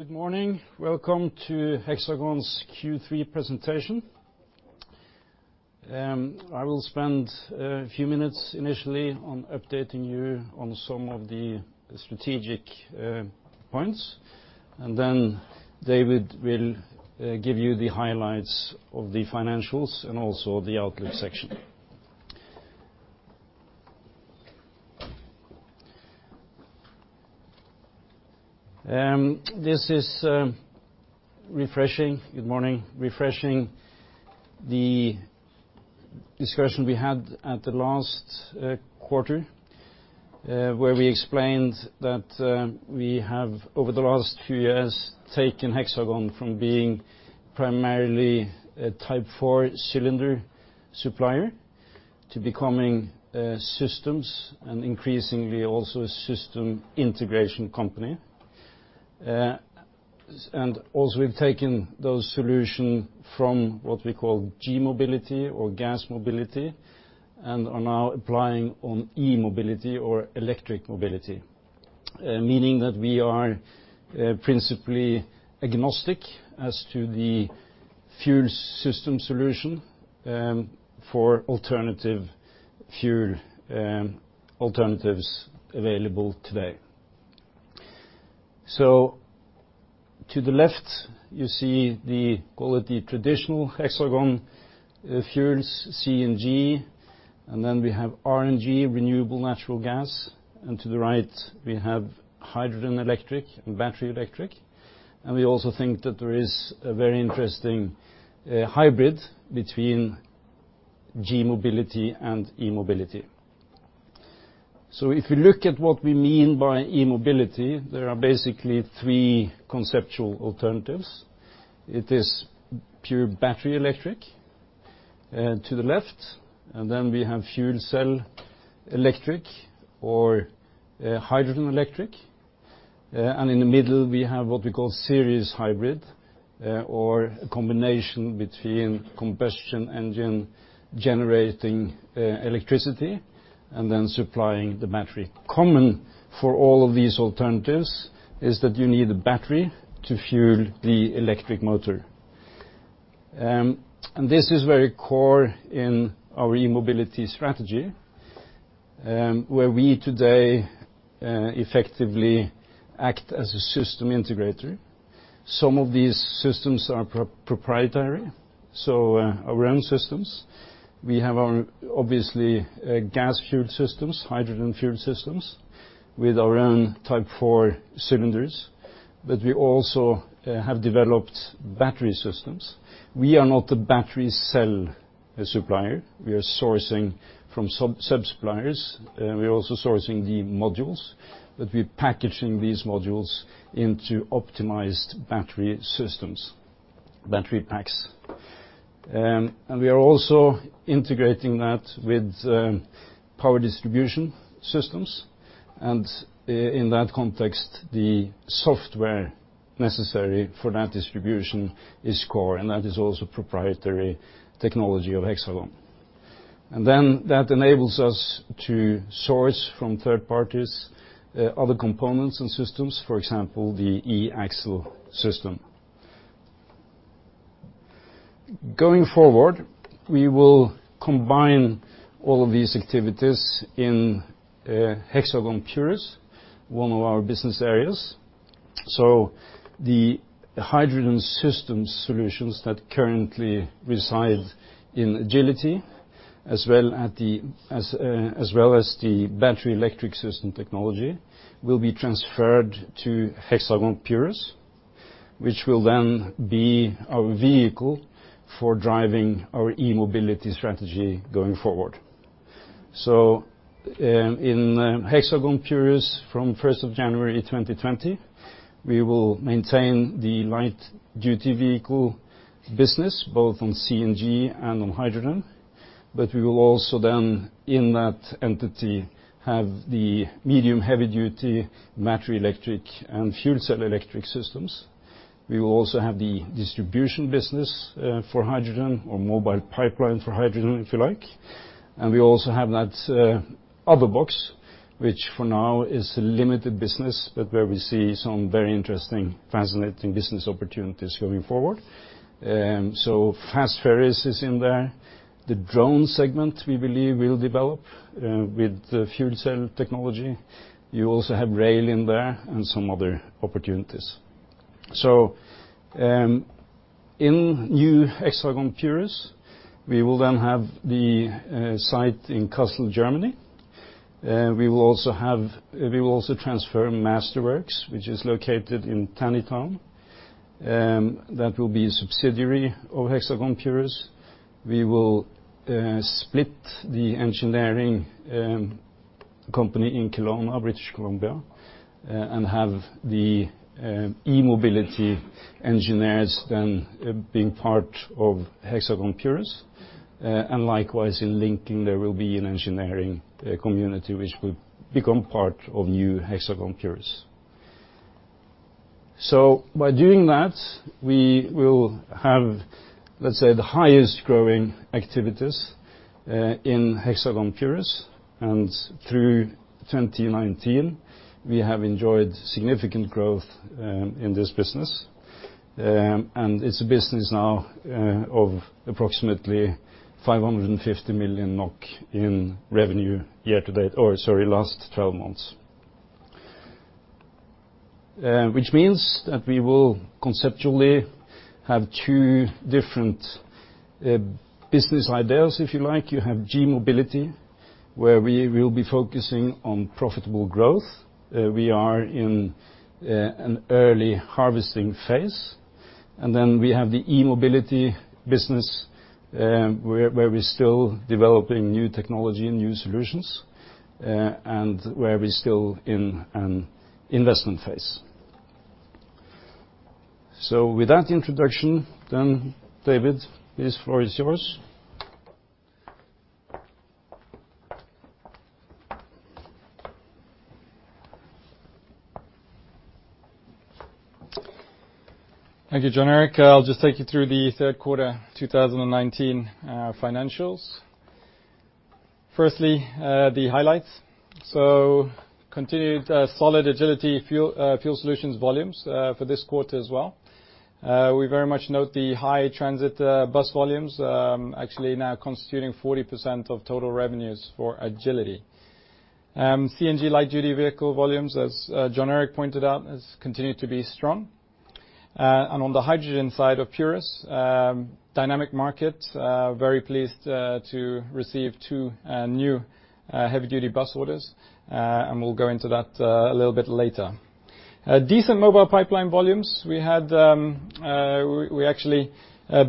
Good morning. Welcome to Hexagon's Q3 presentation. I will spend a few minutes initially on updating you on some of the strategic points, and then David will give you the highlights of the financials and also the outlook section. This is refreshing. Good morning. Refreshing the discussion we had at the last quarter, where we explained that we have, over the last few years, taken Hexagon from being primarily a Type 4 cylinder supplier to becoming systems and increasingly also a system integration company. Also, we've taken those solution from what we call G mobility or gas mobility and are now applying on E mobility or electric mobility, meaning that we are principally agnostic as to the fuel system solution for alternative fuel alternatives available today. To the left, you see the quality traditional Hexagon fuels, CNG, and then we have RNG, renewable natural gas, and to the right, we have hydrogen electric and battery electric. We also think that there is a very interesting hybrid between G mobility and E mobility. If we look at what we mean by E mobility, there are basically three conceptual alternatives. It is pure battery electric to the left, and then we have fuel cell electric or hydrogen electric. In the middle we have what we call series hybrid or a combination between combustion engine generating electricity and then supplying the battery. Common for all of these alternatives is that you need a battery to fuel the electric motor. This is very core in our e-mobility strategy, where we today effectively act as a system integrator. Some of these systems are proprietary, so our own systems. We have our obviously gas-fueled systems, hydrogen-fueled systems with our own Type 4 cylinders. We also have developed battery systems. We are not a battery cell supplier. We are sourcing from sub-suppliers. We are also sourcing the modules, but we're packaging these modules into optimized battery systems, battery packs. We are also integrating that with power distribution systems. In that context, the software necessary for that distribution is core and that is also proprietary technology of Hexagon. That enables us to source from third parties other components and systems, for example, the e-axle system. Going forward, we will combine all of these activities in Hexagon Purus, one of our business areas. The hydrogen systems solutions that currently reside in Agility, as well as the battery electric system technology, will be transferred to Hexagon Purus, which will then be our vehicle for driving our E-mobility strategy going forward. In Hexagon Purus, from 1st of January 2020, we will maintain the light-duty vehicle business both on CNG and on hydrogen. We will also then, in that entity, have the medium heavy-duty battery electric and fuel cell electric systems. We will also have the distribution business for hydrogen or Mobile Pipeline for hydrogen, if you like. We also have that other box, which for now is a limited business, but where we see some very interesting, fascinating business opportunities going forward. Fast ferries is in there. The drone segment we believe will develop with the fuel cell technology. You also have rail in there and some other opportunities. In new Hexagon Purus, we will then have the site in Kassel, Germany. We will also transfer MasterWorks, which is located in Taneytown. That will be a subsidiary of Hexagon Purus. We will split the engineering company in Kelowna, British Columbia, and have the E-mobility engineers then being part of Hexagon Purus. Likewise in Linköping, there will be an engineering community which will become part of new Hexagon Purus. By doing that, we will have, let's say, the highest growing activities in Hexagon Purus. Through 2019, we have enjoyed significant growth in this business. And it's a business now of approximately 550 million NOK in revenue year to date, or sorry, last 12 months. Which means that we will conceptually have two different business ideas, if you like. You have G mobility, where we will be focusing on profitable growth. We are in an early harvesting phase. We have the E-mobility business, where we're still developing new technology and new solutions, and where we're still in an investment phase. With that introduction, David, this floor is yours. Thank you, Jon Erik. I'll just take you through the third quarter 2019 financials. Firstly, the highlights. Continued solid Agility Fuel Solutions volumes for this quarter as well. We very much note the high transit bus volumes actually now constituting 40% of total revenues for Agility. CNG light-duty vehicle volumes, as Jon Erik pointed out, has continued to be strong. On the hydrogen side of Purus, dynamic market, very pleased to receive two new heavy-duty bus orders. We'll go into that a little bit later. Decent Mobile Pipeline volumes. We actually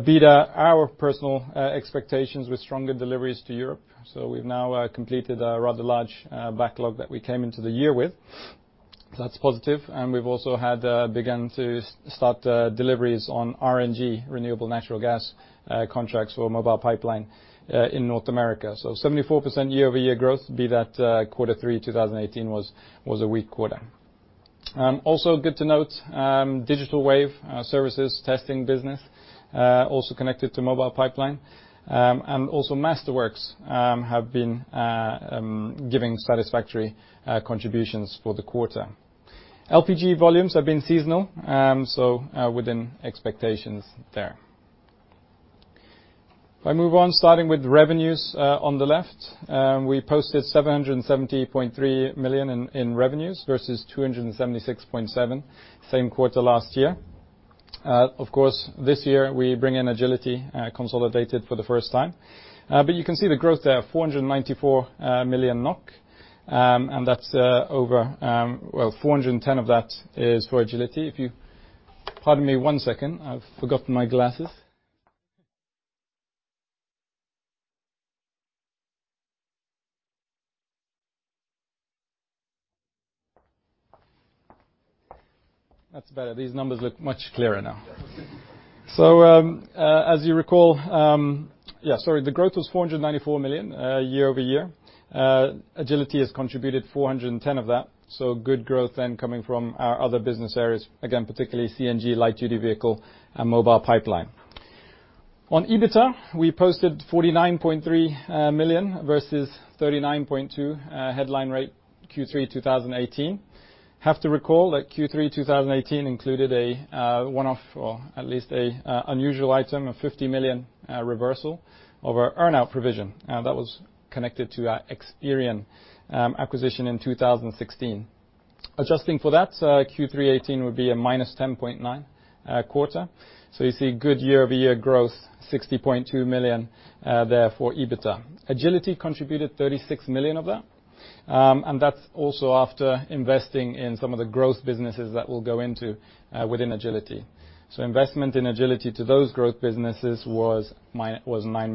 beat our personal expectations with stronger deliveries to Europe. We've now completed a rather large backlog that we came into the year with. That's positive, and we've also begun to start deliveries on RNG, renewable natural gas, contracts for Mobile Pipeline in North America. 74% year-over-year growth, be that quarter three 2018 was a weak quarter. Good to note, Digital Wave services testing business, also connected to Mobile Pipeline. MasterWorks have been giving satisfactory contributions for the quarter. LPG volumes have been seasonal, within expectations there. If I move on, starting with revenues on the left. We posted 770.3 million in revenues versus 276.7 million same quarter last year. Of course, this year we bring in Agility consolidated for the first time. You can see the growth there, 494 million NOK. 410 million of that is for Agility. If you pardon me one second, I've forgotten my glasses. That's better. These numbers look much clearer now. Yeah. As you recall, the growth was 494 million year-over-year. Agility has contributed 410 million of that, good growth coming from our other business areas, again, particularly CNG light-duty vehicle and Mobile Pipeline. On EBITDA, we posted 49.3 million versus 39.2 million headline rate Q3 2018. Have to recall that Q3 2018 included a one-off, or at least an unusual item, a 50 million reversal of our earn-out provision. That was connected to our xperion acquisition in 2016. Adjusting for that, Q3 2018 would be a -10.9 million quarter. You see good year-over-year growth, 60.2 million there for EBITDA. Agility contributed 36 million of that. That's also after investing in some of the growth businesses that we'll go into within Agility. Investment in Agility to those growth businesses was 9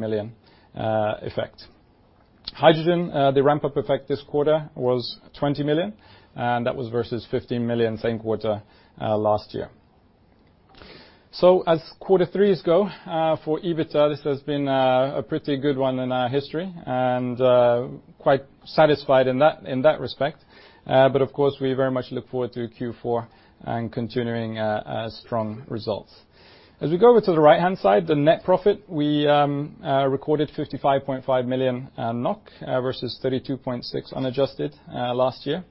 million effect. Hydrogen, the ramp-up effect this quarter was 20 million, that was versus 15 million same quarter last year. As quarter threes go, for EBITDA, this has been a pretty good one in our history, and quite satisfied in that respect. Of course, we very much look forward to Q4 and continuing strong results. As we go over to the right-hand side, the net profit, we recorded 55.5 million NOK versus 32.6 unadjusted last year.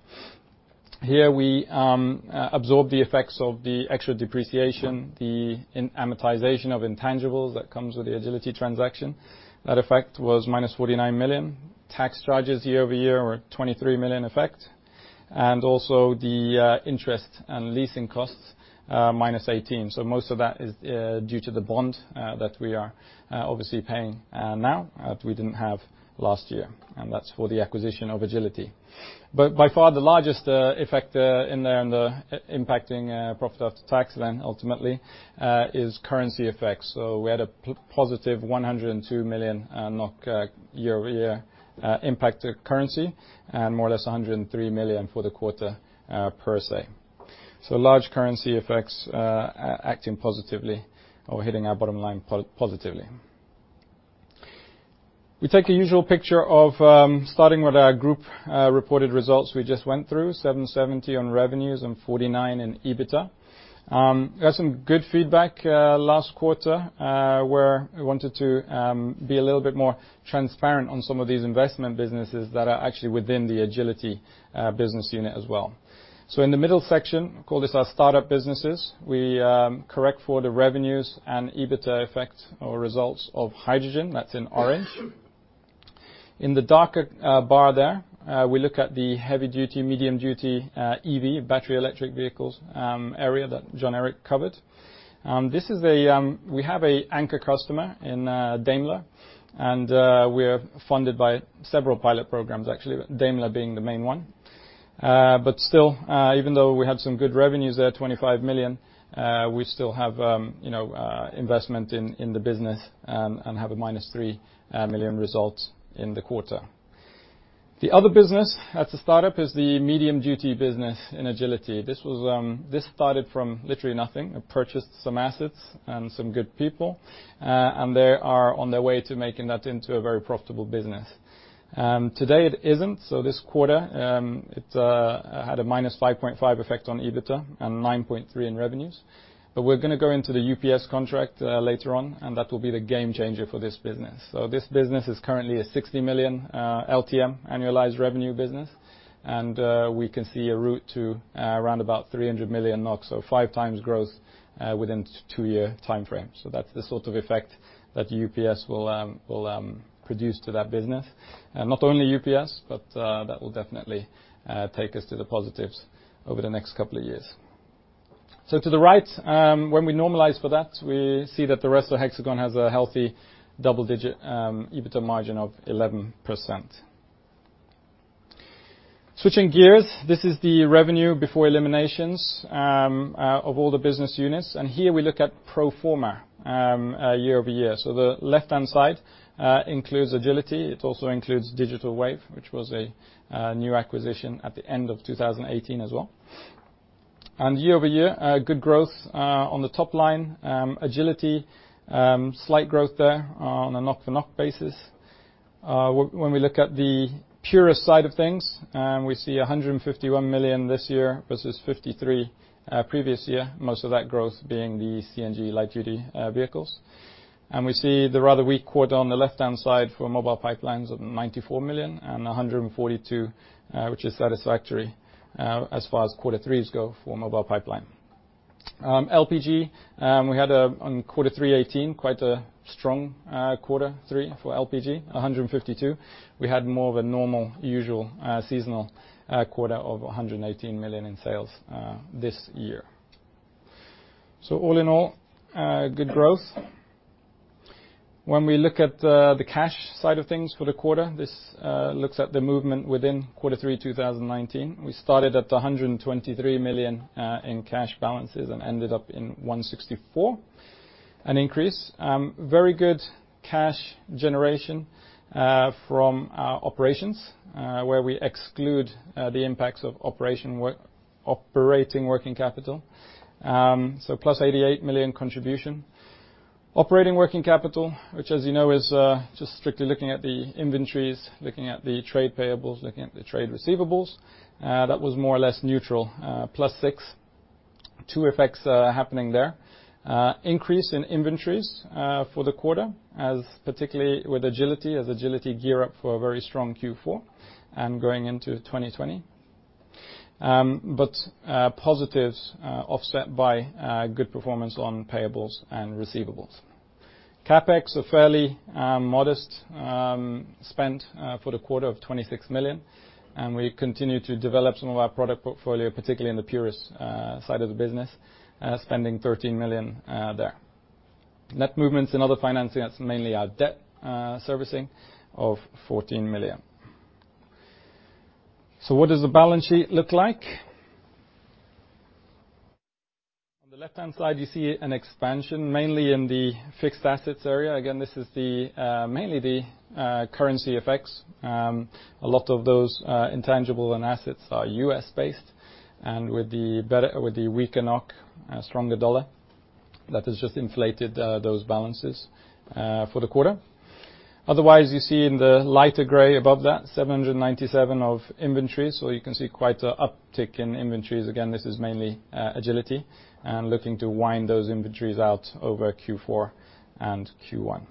Here, we absorb the effects of the extra depreciation, the amortization of intangibles that comes with the Agility transaction. That effect was -49 million. Tax charges year-over-year were a 23 million effect. Also the interest and leasing costs, -18. Most of that is due to the bond that we are obviously paying now, that we didn't have last year. That's for the acquisition of Agility. By far the largest effect in there and impacting profit after tax then ultimately, is currency effects. We had a positive 102 million NOK year-over-year impact to currency, and more or less 103 million for the quarter per se. Large currency effects acting positively or hitting our bottom line positively. We take a usual picture of starting with our group reported results we just went through, 770 million on revenues and 49 million in EBITDA. Got some good feedback last quarter, where we wanted to be a little bit more transparent on some of these investment businesses that are actually within the Agility business unit as well. In the middle section, call this our startup businesses. We correct for the revenues and EBITDA effect or results of hydrogen, that's in orange. In the darker bar there, we look at the heavy-duty, medium-duty EV, battery electric vehicles area that Jon Erik covered. We have an anchor customer in Daimler, and we are funded by several pilot programs, actually, Daimler being the main one. Still, even though we have some good revenues there, 25 million, we still have investment in the business, and have a minus 3 million result in the quarter. The other business at the startup is the medium-duty business in Agility. This started from literally nothing and purchased some assets and some good people, and they are on their way to making that into a very profitable business. Today it isn't. This quarter, it had a minus 5.5 effect on EBITDA and 9.3 in revenues. We're going to go into the UPS contract later on, and that will be the game changer for this business. This business is currently a 60 million LTM annualized revenue business, and we can see a route to around about 300 million NOK, so 5 times growth within a two-year timeframe. That's the sort of effect that UPS will produce to that business. Not only UPS, but that will definitely take us to the positives over the next couple of years. To the right, when we normalize for that, we see that the rest of Hexagon has a healthy double-digit EBITDA margin of 11%. Switching gears, this is the revenue before eliminations of all the business units, and here we look at pro forma year-over-year. The left-hand side includes Agility. It also includes Digital Wave, which was a new acquisition at the end of 2018 as well. Year-over-year, good growth on the top line. Agility, slight growth there on a NOK-for-NOK basis. When we look at the Purus side of things, we see 151 million this year versus 53 million previous year, most of that growth being the CNG light-duty vehicles. We see the rather weak quarter on the left-hand side for Mobile Pipeline of 94 million and 142 million, which is satisfactory as far as quarter threes go for Mobile Pipeline. LPG, we had on quarter 3 2018, quite a strong quarter three for LPG, 152 million. We had more of a normal, usual seasonal quarter of 118 million in sales this year. All in all, good growth. When we look at the cash side of things for the quarter, this looks at the movement within quarter three 2019. We started at 123 million in cash balances and ended up in 164 million, an increase. Very good cash generation from our operations, where we exclude the impacts of operating working capital, plus 88 million contribution. Operating working capital, which as you know is just strictly looking at the inventories, looking at the trade payables, looking at the trade receivables. That was more or less neutral, plus 6 million. Two effects are happening there. Increase in inventories for the quarter, as particularly with Agility, as Agility gear up for a very strong Q4 and going into 2020. Positives offset by good performance on payables and receivables. CapEx, a fairly modest spend for the quarter of 26 million, and we continue to develop some of our product portfolio, particularly in the Purus side of the business, spending 13 million there. Net movements in other financing, that's mainly our debt servicing of 14 million. What does the balance sheet look like? On the left-hand side, you see an expansion mainly in the fixed assets area. Again, this is mainly the currency effects. A lot of those intangible and assets are U.S.-based, and with the weaker NOK, stronger USD, that has just inflated those balances for the quarter. Otherwise, you see in the lighter gray above that, 797 of inventories, so you can see quite an uptick in inventories. Again, this is mainly Agility and looking to wind those inventories out over Q4 and Q1.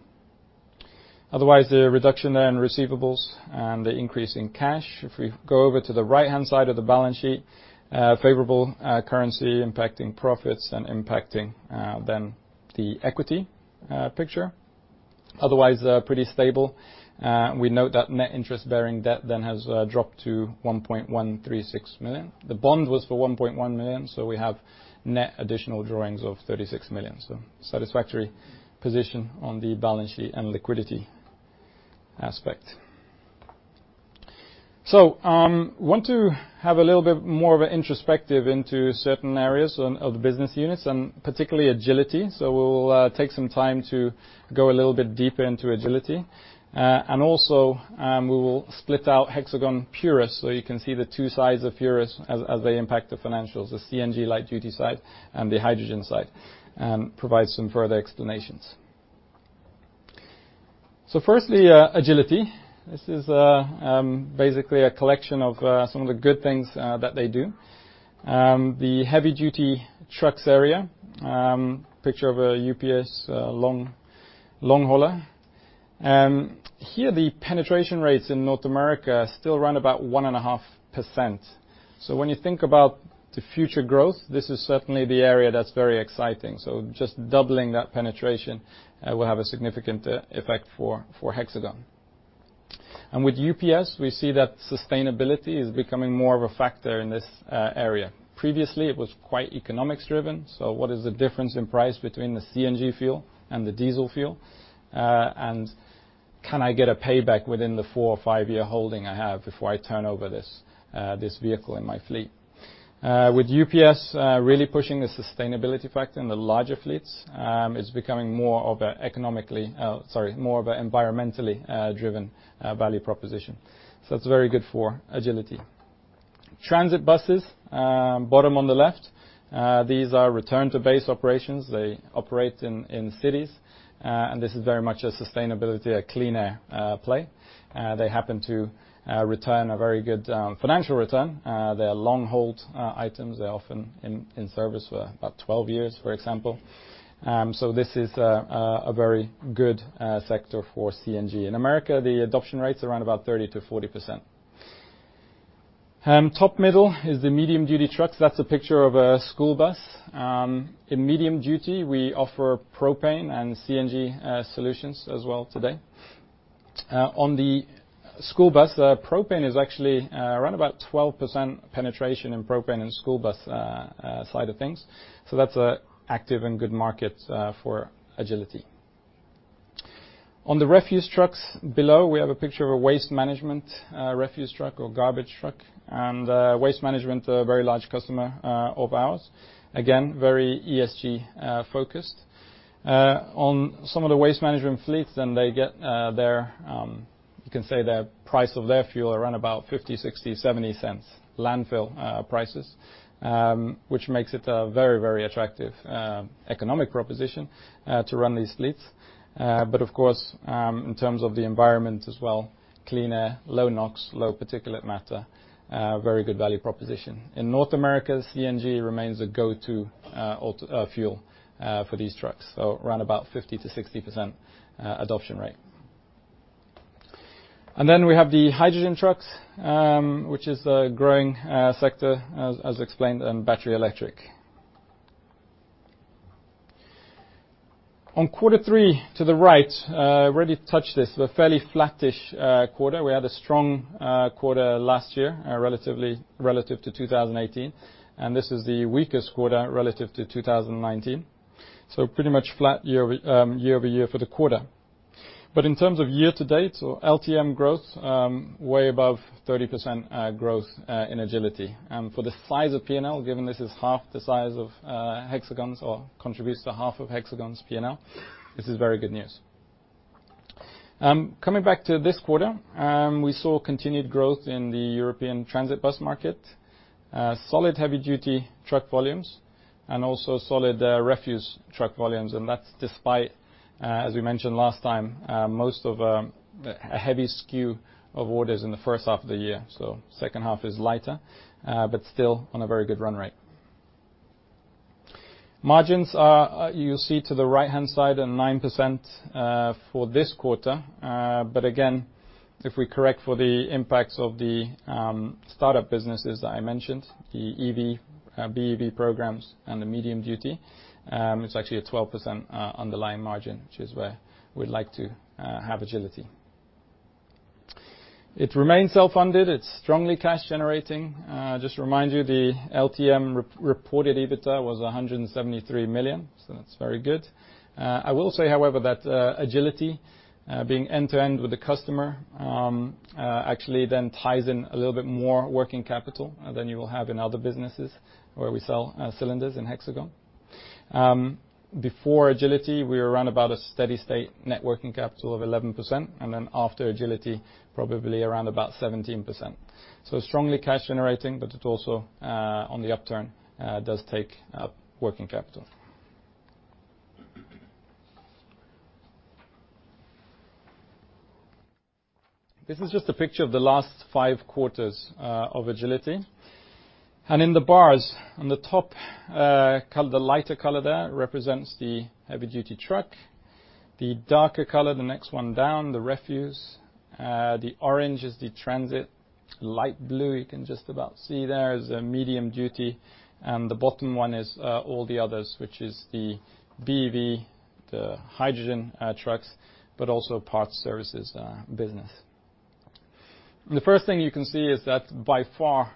Otherwise, the reduction there in receivables and the increase in cash. If we go over to the right-hand side of the balance sheet, favorable currency impacting profits and impacting then the equity picture. Otherwise, pretty stable. We note that net interest-bearing debt then has dropped to 1.136 million. The bond was for 1.1 million, so we have net additional drawings of 36 million. Satisfactory position on the balance sheet and liquidity aspect. We want to have a little bit more of an introspective into certain areas of the business units and particularly Agility. We will take some time to go a little bit deeper into Agility. Also, we will split out Hexagon Purus so you can see the two sides of Purus as they impact the financials, the CNG light-duty side and the hydrogen side, and provide some further explanations. Firstly, Agility. This is basically a collection of some of the good things that they do. The heavy-duty trucks area, picture of a UPS long hauler. Here, the penetration rates in North America are still around about 1.5%. When you think about the future growth, this is certainly the area that's very exciting. Just doubling that penetration will have a significant effect for Hexagon. With UPS, we see that sustainability is becoming more of a factor in this area. Previously, it was quite economics driven, so what is the difference in price between the CNG fuel and the diesel fuel? Can I get a payback within the four or five-year holding I have before I turn over this vehicle in my fleet? With UPS really pushing the sustainability factor in the larger fleets, it's becoming more of an environmentally driven value proposition. That's very good for Agility. Transit buses, bottom on the left. These are return to base operations. They operate in cities. This is very much a sustainability, a clean air play. They happen to return a very good financial return. They are long-hold items. They are often in service for about 12 years, for example. This is a very good sector for CNG. In America, the adoption rate's around about 30%-40%. Top middle is the medium-duty trucks. That's a picture of a school bus. In medium-duty, we offer propane and CNG solutions as well today. On the school bus, propane is actually around about 12% penetration in propane and school bus side of things. That's an active and good market for Agility. On the refuse trucks below, we have a picture of a Waste Management refuse truck or garbage truck. Waste Management are a very large customer of ours. Again, very ESG-focused. Some of the Waste Management fleets, you can say the price of their fuel are around 0.50, 0.60, 0.70 landfill prices, which makes it a very, very attractive economic proposition to run these fleets. Of course, in terms of the environment as well, clean air, low NOx, low particulate matter, very good value proposition. In North America, CNG remains a go-to fuel for these trucks, around 50%-60% adoption rate. We have the hydrogen trucks, which is a growing sector, as explained, and battery electric. On quarter three, to the right, I already touched this, a fairly flattish quarter. We had a strong quarter last year, relative to 2018, this is the weakest quarter relative to 2019. Pretty much flat year-over-year for the quarter. In terms of year-to-date, or LTM growth, way above 30% growth in Agility. For the size of P&L, given this is half the size of Hexagon's or contributes to half of Hexagon's P&L, this is very good news. Coming back to this quarter, we saw continued growth in the European transit bus market, solid heavy-duty truck volumes, and also solid refuse truck volumes. That's despite, as we mentioned last time, a heavy skew of orders in the first half of the year. The second half is lighter, but still on a very good run rate. Margins are, you'll see to the right-hand side, are 9% for this quarter. Again, if we correct for the impacts of the startup businesses that I mentioned, the EV, BEV programs, and the medium-duty, it's actually a 12% underlying margin, which is where we'd like to have Agility. It remains self-funded. It's strongly cash generating. Just to remind you, the LTM reported EBITDA was 173 million, that's very good. I will say, however, that Agility, being end-to-end with the customer, actually then ties in a little bit more working capital than you will have in other businesses where we sell cylinders in Hexagon. Before Agility, we were around about a steady state net working capital of 11%, after Agility, probably around about 17%. Strongly cash generating, it also, on the upturn, does take up working capital. This is just a picture of the last five quarters of Agility. In the bars on the top, the lighter color there represents the heavy-duty truck, the darker color, the next one down, the refuse, the orange is the transit, light blue you can just about see there is the medium-duty, and the bottom one is all the others, which is the BEV, the hydrogen trucks, but also parts services business. The first thing you can see is that by far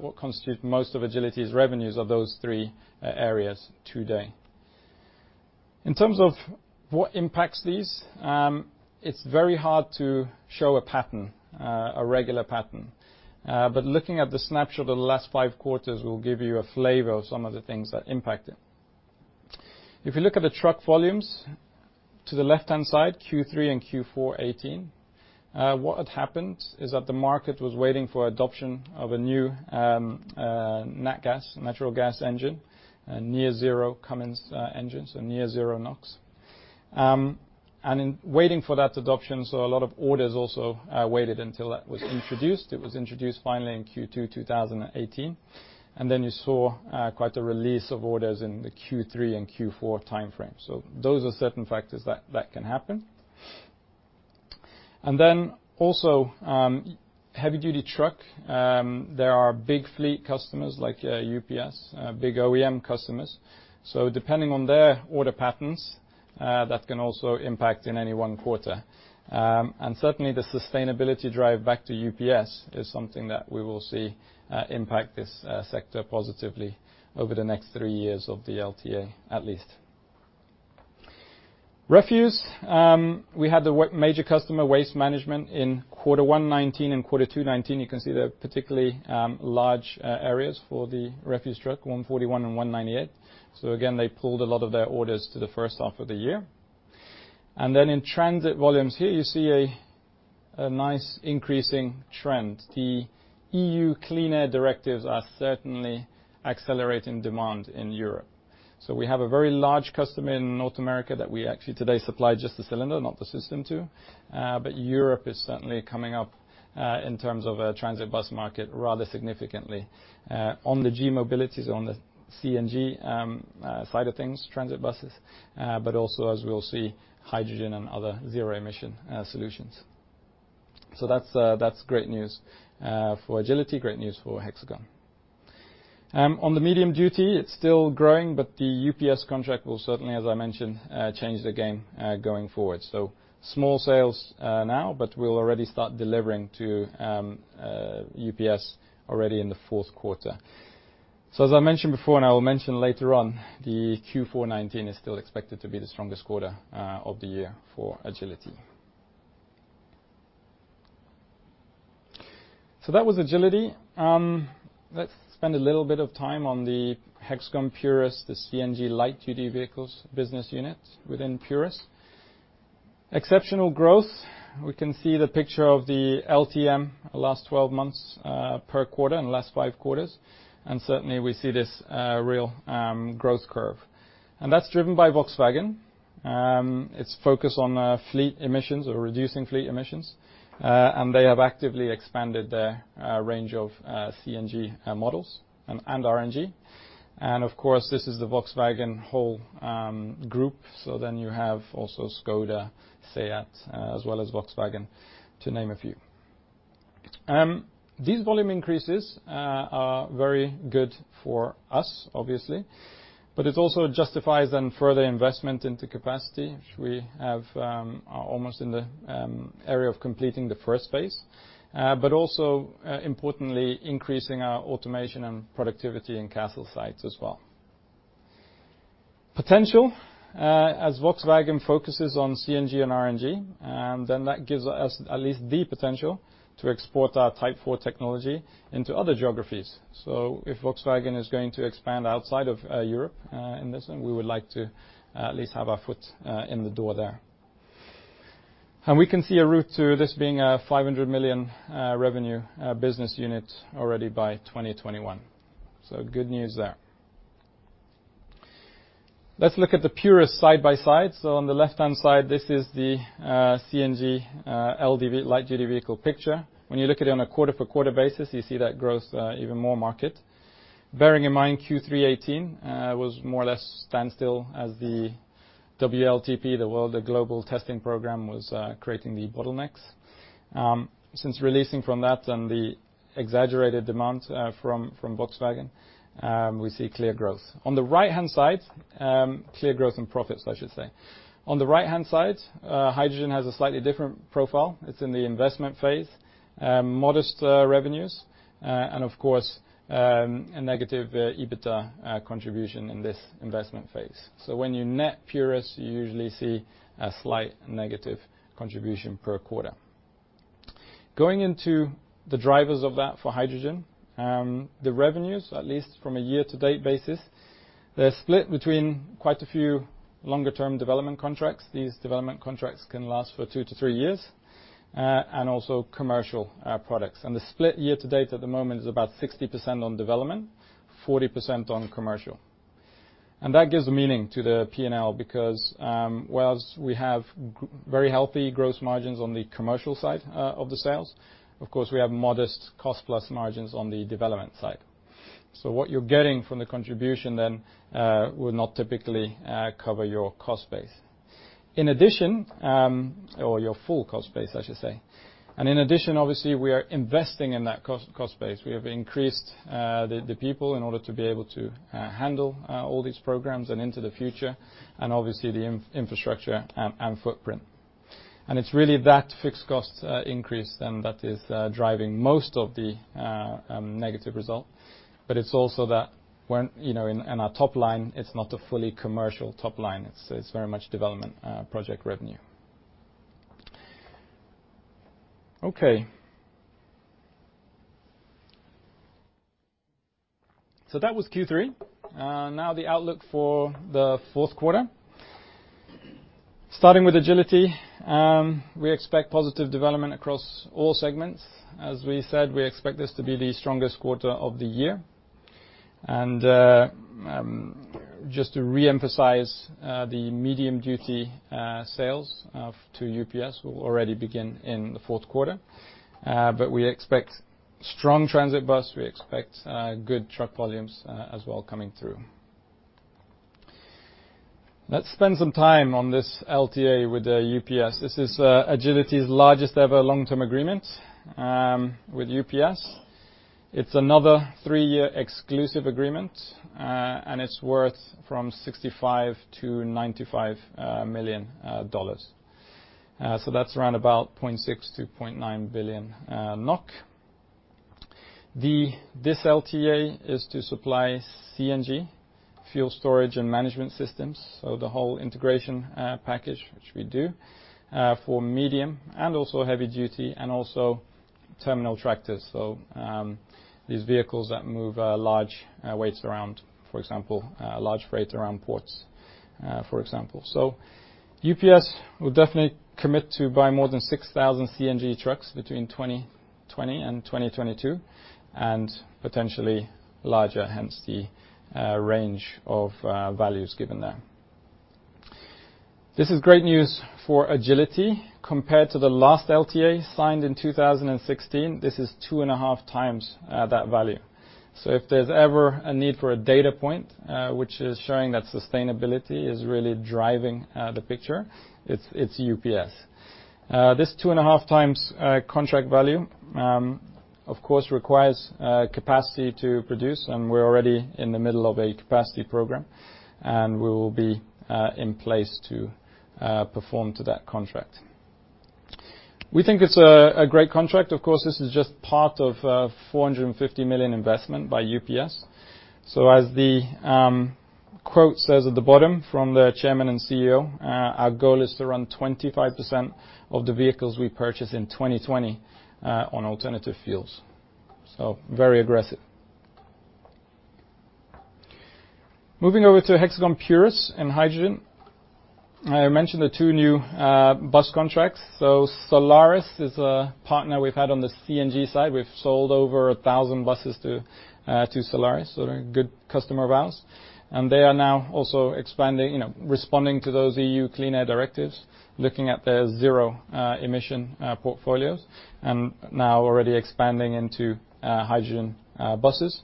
what constitute most of Agility's revenues are those three areas today. In terms of what impacts these, it is very hard to show a regular pattern. Looking at the snapshot of the last five quarters will give you a flavor of some of the things that impact it. If you look at the truck volumes to the left-hand side, Q3 and Q4 2018, the market was waiting for adoption of a new natural gas, natural gas engine, a near-zero Cummins engine, so near-zero NOx. In waiting for that adoption, a lot of orders also waited until that was introduced. It was introduced finally in Q2 2018. You saw quite a release of orders in the Q3 and Q4 timeframe. Those are certain factors that can happen. Heavy-duty truck. There are big fleet customers like UPS, big OEM customers. Depending on their order patterns, that can also impact in any one quarter. Certainly, the sustainability drive back to UPS is something that we will see impact this sector positively over the next three years of the LTA, at least. Refuse. We had the major customer Waste Management in quarter 1 2019 and quarter 2 2019. You can see the particularly large areas for the refuse truck, 141 and 198. Again, they pulled a lot of their orders to the first half of the year. Then in transit volumes here, you see a nice increasing trend. The EU clean air directives are certainly accelerating demand in Europe. We have a very large customer in North America that we actually today supply just the cylinder, not the system to, but Europe is certainly coming up in terms of a transit bus market rather significantly on the G mobilities, on the CNG side of things, transit buses, but also as we'll see hydrogen and other zero emission solutions. That's great news for Agility, great news for Hexagon. On the medium-duty, it's still growing, the UPS contract will certainly, as I mentioned, change the game going forward. Small sales now, but we'll already start delivering to UPS already in the fourth quarter. As I mentioned before, and I will mention later on, the Q4 2019 is still expected to be the strongest quarter of the year for Agility. That was Agility. Let's spend a little bit of time on the Hexagon Purus, the CNG light-duty vehicles business unit within Purus. Exceptional growth. We can see the picture of the LTM, the last 12 months per quarter and last five quarters, and certainly, we see this real growth curve. That's driven by Volkswagen. Its focus on fleet emissions or reducing fleet emissions, and they have actively expanded their range of CNG models and RNG. Of course, this is the Volkswagen whole group, so then you have also Škoda, SEAT, as well as Volkswagen, to name a few. These volume increases are very good for us, obviously, but it also justifies then further investment into capacity, which we have almost in the area of completing the phase 1, but also importantly, increasing our automation and productivity in Kassel sites as well. Potential, as Volkswagen focuses on CNG and RNG, then that gives us at least the potential to export our Type 4 technology into other geographies. If Volkswagen is going to expand outside of Europe in this, then we would like to at least have our foot in the door there. We can see a route to this being a 500 million revenue business unit already by 2021. Good news there. Let's look at the Purus side by side. On the left-hand side, this is the CNG light-duty vehicle picture. When you look at it on a quarter-for-quarter basis, you see that growth even more market. Bearing in mind Q3 2018 was more or less standstill as the WLTP, the World Global Testing Program, was creating the bottlenecks. Since releasing from that and the exaggerated demand from Volkswagen, we see clear growth. On the right-hand side, clear growth and profits, I should say. On the right-hand side, hydrogen has a slightly different profile. It's in the investment phase, modest revenues, and of course, a negative EBITDA contribution in this investment phase. When you net Purus, you usually see a slight negative contribution per quarter. Going into the drivers of that for hydrogen, the revenues, at least from a year-to-date basis, they're split between quite a few longer term development contracts. These development contracts can last for two to three years, and also commercial products. The split year to date at the moment is about 60% on development, 40% on commercial. That gives a meaning to the P&L because whereas we have very healthy gross margins on the commercial side of the sales, of course, we have modest cost plus margins on the development side. What you're getting from the contribution then will not typically cover your cost base. In addition, or your full cost base, I should say. In addition, obviously, we are investing in that cost base. We have increased the people in order to be able to handle all these programs and into the future, and obviously the infrastructure and footprint. It's really that fixed cost increase then that is driving most of the negative result. It's also that in our top line, it's not a fully commercial top line. It's very much development project revenue. Okay. That was Q3. Now the outlook for the fourth quarter. Starting with Agility, we expect positive development across all segments. As we said, we expect this to be the strongest quarter of the year. Just to reemphasize, the medium-duty sales to UPS will already begin in the fourth quarter, but we expect strong transit bus. We expect good truck volumes as well coming through. Let's spend some time on this LTA with UPS. This is Agility's largest ever long-term agreement with UPS. It's another three-year exclusive agreement, it's worth from $65 million-$95 million. That's around about 0.6 billion-0.9 billion NOK. This LTA is to supply CNG fuel storage and management systems, the whole integration package, which we do, for medium and also heavy duty, and also terminal tractors. These vehicles that move large weights around, for example, large freight around ports. UPS will definitely commit to buy more than 6,000 CNG trucks between 2020 and 2022, and potentially larger, hence the range of values given there. This is great news for Agility. Compared to the last LTA signed in 2016, this is two and a half times that value. If there's ever a need for a data point, which is showing that sustainability is really driving the picture, it's UPS. This two and a half times contract value, of course, requires capacity to produce, and we're already in the middle of a capacity program, and we will be in place to perform to that contract. We think it's a great contract. Of course, this is just part of a $450 million investment by UPS. As the quote says at the bottom from the chairman and CEO, "Our goal is to run 25% of the vehicles we purchase in 2020 on alternative fuels." Very aggressive. Moving over to Hexagon Purus and hydrogen. I mentioned the two new bus contracts. Solaris is a partner we've had on the CNG side. We've sold over 1,000 buses to Solaris, so they're a good customer of ours. They are now also expanding, responding to those EU clean air directives, looking at their zero emission portfolios, and now already expanding into hydrogen buses.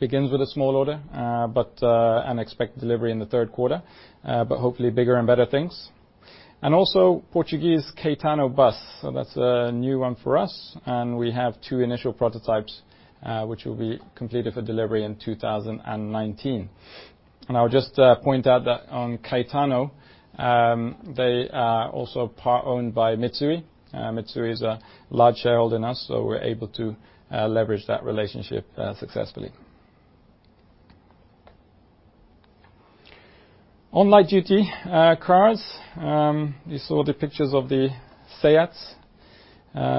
Begins with a small order and expect delivery in the third quarter, but hopefully bigger and better things. Also Portuguese CaetanoBus. That's a new one for us, and we have two initial prototypes, which will be completed for delivery in 2019. I would just point out that on Caetano, they are also part-owned by Mitsui. Mitsui is a large shareholder in us, so we're able to leverage that relationship successfully. On light-duty cars, you saw the pictures of the SEATs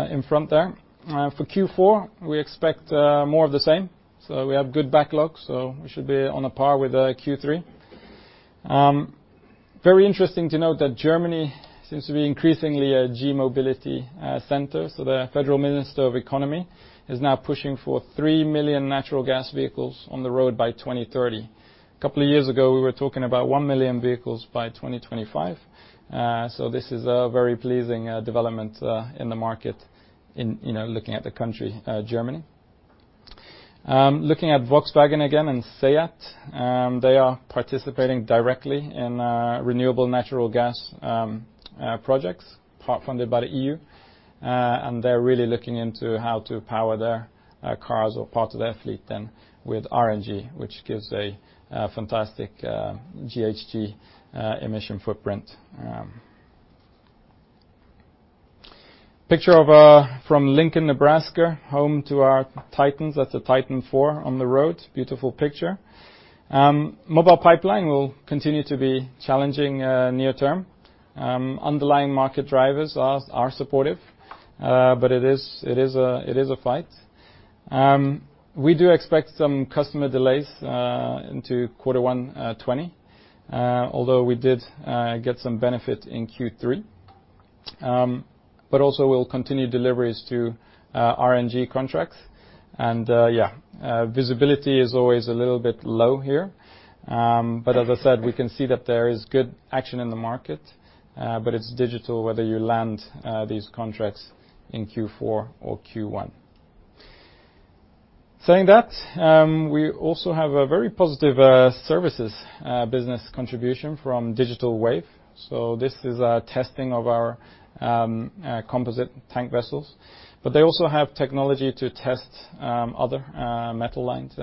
in front there. For Q4, we expect more of the same. We have good backlogs, so we should be on a par with Q3. Very interesting to note that Germany seems to be increasingly a G-mobility center. The Federal Minister for Economic Affairs and Energy is now pushing for 3 million natural gas vehicles on the road by 2030. A couple of years ago, we were talking about 1 million vehicles by 2025. This is a very pleasing development in the market in looking at the country, Germany. Looking at Volkswagen again and SEAT, they are participating directly in renewable natural gas projects, part funded by the EU. They're really looking into how to power their cars or part of their fleet then with RNG, which gives a fantastic GHG emission footprint. Picture from Lincoln, Nebraska, home to our TITANs. That's a TITAN 4 on the road. Beautiful picture. Mobile Pipeline will continue to be challenging near term. Underlying market drivers are supportive, but it is a fight. We do expect some customer delays into Q1 2020. Although we did get some benefit in Q3. Also we'll continue deliveries to RNG contracts. Yeah, visibility is always a little bit low here. As I said, we can see that there is good action in the market, but it's difficult whether you land these contracts in Q4 or Q1. We also have a very positive services business contribution from Digital Wave. This is a testing of our composite tank vessels. They also have technology to test other metal-lined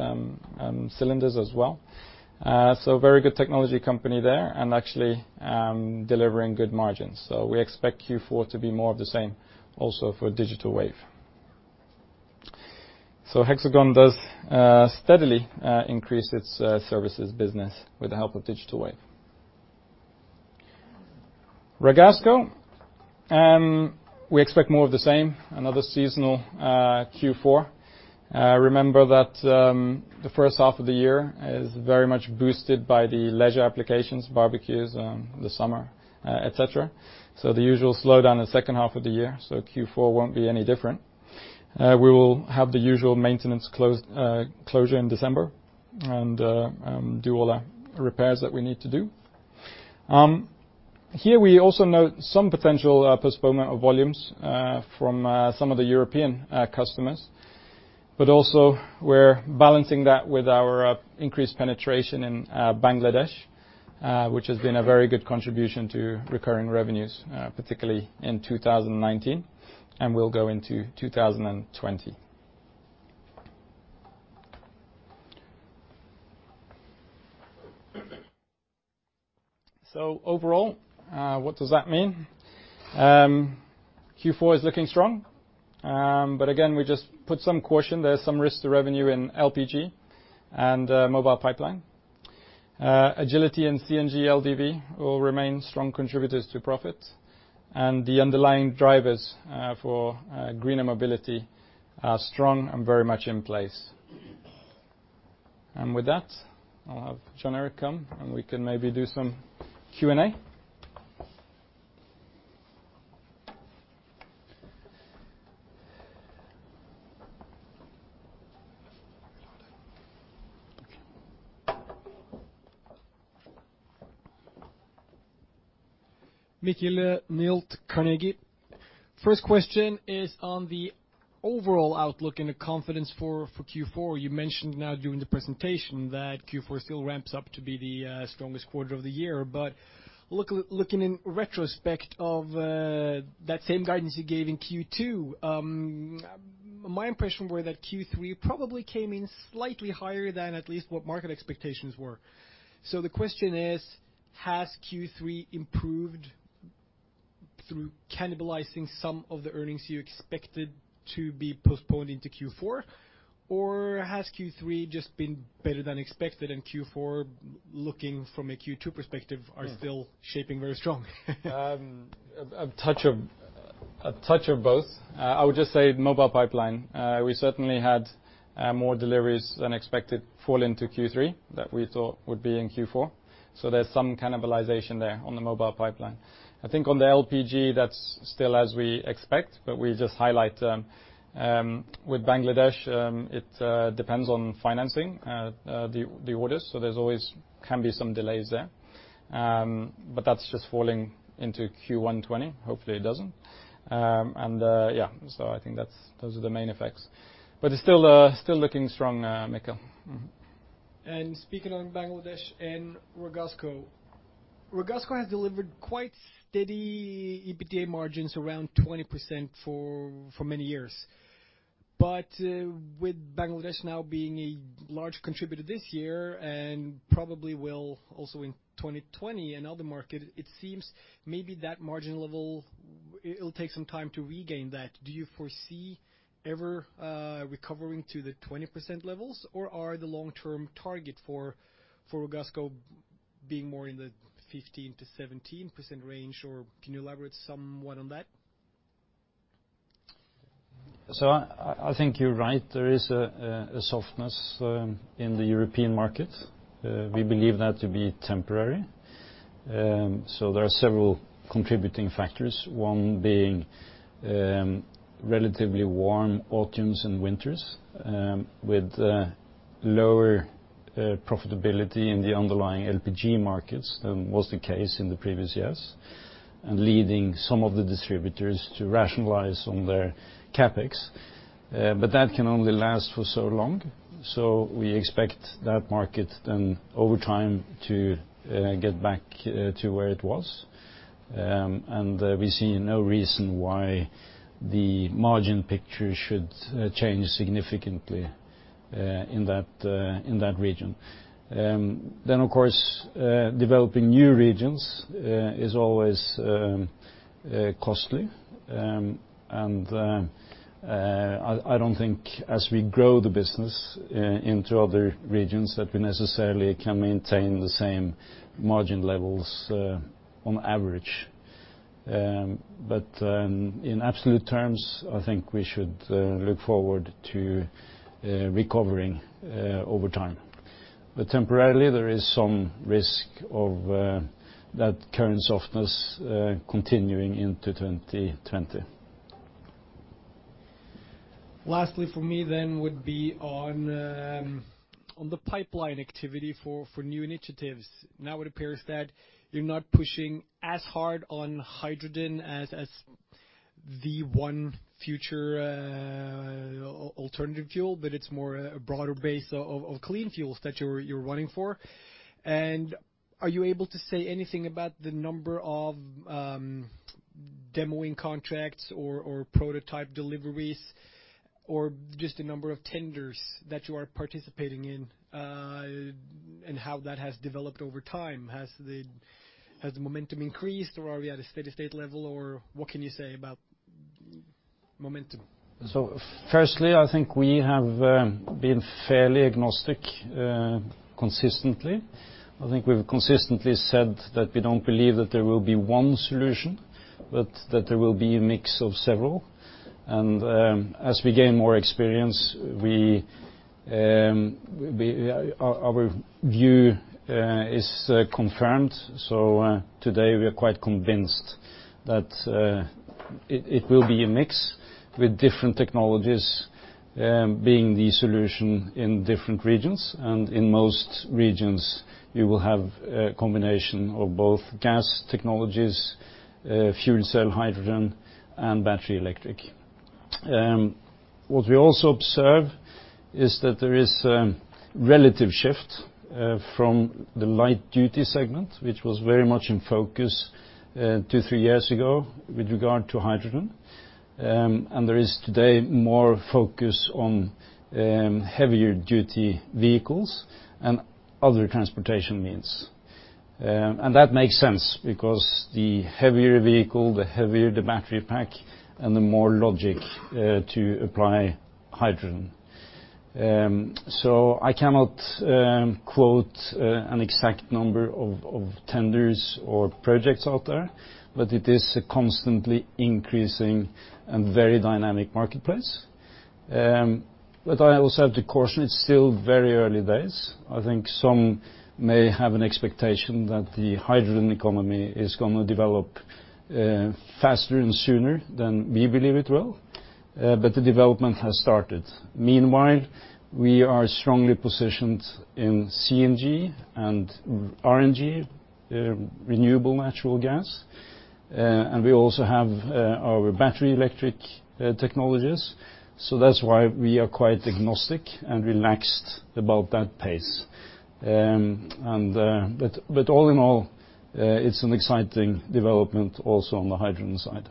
cylinders as well. Very good technology company there and actually delivering good margins. We expect Q4 to be more of the same also for Digital Wave. Hexagon does steadily increase its services business with the help of Digital Wave. Ragasco, we expect more of the same, another seasonal Q4. Remember that the first half of the year is very much boosted by the leisure applications, barbecues in the summer, et cetera. The usual slowdown the second half of the year, so Q4 won't be any different. We will have the usual maintenance closure in December and do all our repairs that we need to do. Here we also note some potential postponement of volumes from some of the European customers. Also we're balancing that with our increased penetration in Bangladesh, which has been a very good contribution to recurring revenues, particularly in 2019 and will go into 2020. Overall, what does that mean? Q4 is looking strong. Again, we just put some caution. There's some risk to revenue in LPG and Mobile Pipeline. Agility and CNG, LDV will remain strong contributors to profit. The underlying drivers for greener mobility are strong and very much in place. With that, I'll have Jon Erik come and we can maybe do some Q&A. Mikkel Nyholt, Carnegie. First question is on the overall outlook and the confidence for Q4. You mentioned now during the presentation that Q4 still ramps up to be the strongest quarter of the year. Looking in retrospect of that same guidance you gave in Q2, my impression were that Q3 probably came in slightly higher than at least what market expectations were. The question is, has Q3 improved through cannibalizing some of the earnings you expected to be postponed into Q4? Or has Q3 just been better than expected and Q4, looking from a Q2 perspective, are still shaping very strong? A touch of both. I would just say Mobile Pipeline, we certainly had more deliveries than expected fall into Q3 that we thought would be in Q4. There's some cannibalization there on the Mobile Pipeline. I think on the LPG, that's still as we expect, but we just highlight with Bangladesh, it depends on financing the orders, so there's always can be some delays there. That's just falling into Q1 2020. Hopefully it doesn't. Yeah. I think those are the main effects. It's still looking strong, Mikkel. Speaking on Bangladesh and Ragasco. Ragasco has delivered quite steady EBITDA margins around 20% for many years. With Bangladesh now being a large contributor this year and probably will also in 2020, another market, it seems maybe that margin level, it'll take some time to regain that. Do you foresee ever recovering to the 20% levels or are the long-term target for Ragasco being more in the 15%-17% range? Can you elaborate somewhat on that? I think you're right. There is a softness in the European market. We believe that to be temporary. There are several contributing factors. One being relatively warm autumns and winters with lower profitability in the underlying LPG markets than was the case in the previous years, and leading some of the distributors to rationalize on their CapEx. That can only last for so long. We expect that market then over time to get back to where it was. We see no reason why the margin picture should change significantly in that region. Of course, developing new regions is always costly. I don't think as we grow the business into other regions, that we necessarily can maintain the same margin levels on average. In absolute terms, I think we should look forward to recovering over time. Temporarily, there is some risk of that current softness continuing into 2020. Lastly for me then would be on the pipeline activity for new initiatives. Now it appears that you're not pushing as hard on hydrogen as the one future alternative fuel, but it's more a broader base of clean fuels that you're running for. Are you able to say anything about the number of demoing contracts or prototype deliveries or just the number of tenders that you are participating in and how that has developed over time? Has the momentum increased or are we at a steady state level or what can you say about momentum? Firstly, I think we have been fairly agnostic consistently. I think we've consistently said that we don't believe that there will be one solution, but that there will be a mix of several. As we gain more experience, our view is confirmed. Today we are quite convinced that it will be a mix with different technologies being the solution in different regions. In most regions, you will have a combination of both gas technologies, fuel cell hydrogen, and battery electric. What we also observe is that there is a relative shift from the light-duty segment, which was very much in focus two, three years ago with regard to hydrogen. There is today more focus on heavier duty vehicles and other transportation means. That makes sense because the heavier vehicle, the heavier the battery pack and the more logic to apply hydrogen. I cannot quote an exact number of tenders or projects out there, it is a constantly increasing and very dynamic marketplace. I also have to caution, it's still very early days. I think some may have an expectation that the hydrogen economy is going to develop faster and sooner than we believe it will. The development has started. Meanwhile, we are strongly positioned in CNG and RNG, renewable natural gas. We also have our battery electric technologies. That's why we are quite agnostic and relaxed about that pace. All in all, it's an exciting development also on the hydrogen side